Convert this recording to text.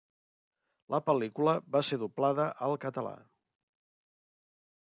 La pel·lícula va ser doblada al català.